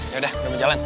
yaudah udah menjalan